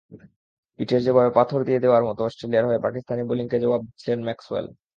ইটের জবাব পাথর দিয়ে দেওয়ার মতো অস্ট্রেলিয়ার হয়ে পাকিস্তানি বোলিংকে জবাব দিচ্ছিলেন ম্যাক্সওয়েল।